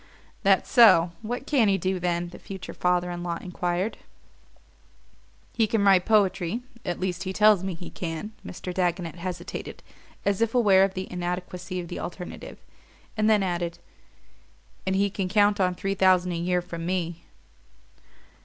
"That so? What can he do, then?" the future father in law enquired. "He can write poetry at least he tells me he can." Mr. Dagonet hesitated, as if aware of the inadequacy of the alternative, and then added: "And he can count on three thousand a year from me."